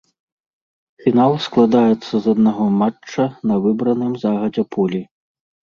Фінал складаецца з аднаго матча на выбраным загадзя полі.